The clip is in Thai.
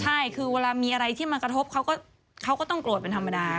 ใช่คือเวลามีอะไรที่มันกระทบเขาก็ต้องโกรธเป็นธรรมดา